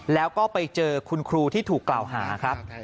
แล้วก็ไปเจอคุณครูที่ถูกกล่าวหาครับ